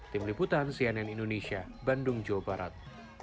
tim liputan cnn indonesia bandung jawa barat